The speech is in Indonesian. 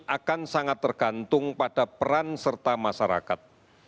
akan sangat tergantung pada peran serta masyarakat